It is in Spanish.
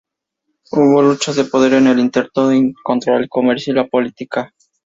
Hubo luchas de poder en el intento de controlar el comercio y la política.